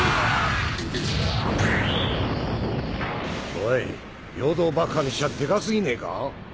・おい陽動爆破にしちゃデカ過ぎねえか？